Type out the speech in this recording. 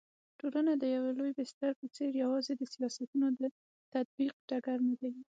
ټولنه د يوه لوی بستر په څېر يوازي د سياستونو د تطبيق ډګر ندی